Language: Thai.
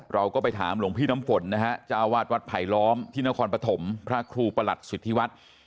เราก็ไปถามหลวงพี่น้ำฝนนะฮะเจ้าวาดวัดไผลล้อมที่นครปฐมพระครูประหลัดสิทธิวัฒน์